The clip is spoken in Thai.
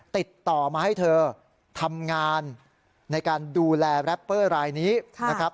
ติดต่อมาให้เธอทำงานในการดูแลแรปเปอร์รายนี้นะครับ